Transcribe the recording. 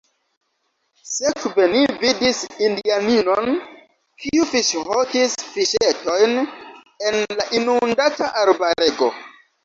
Sekve ni vidis indianinon, kiu fiŝhokis fiŝetojn en la inundata arbarego.